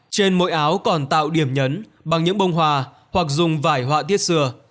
trên mỗi áo còn tạo điểm nhấn bằng những bông hoa hoặc dùng vải họa tiết xưa